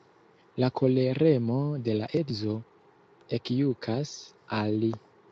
La koleremo de la edzo ekjukas al li.